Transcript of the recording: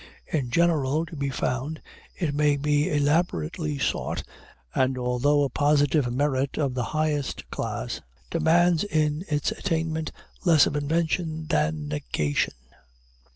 In general, to be found, it must be elaborately sought, and although a positive merit of the highest class, demands in its attainment less of invention than negation.